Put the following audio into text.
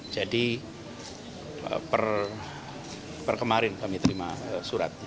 per kemarin kami terima surat